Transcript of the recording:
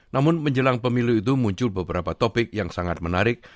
namun menjelang pemilu itu muncul beberapa topik yang sangat menarik